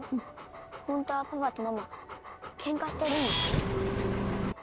ホントはパパとママケンカしてるんでしょ？